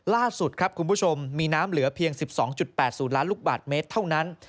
ล่าสุดครับคุณผู้ชมมีน้ำเหลือเพียง๑๒๘๐ล้านลูกบาทเมตรเท่านั้น